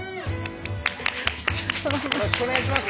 よろしくお願いします。